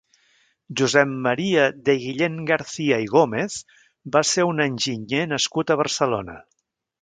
Josep Maria de Guillén-Garcia i Gómez va ser un enginyer nascut a Barcelona.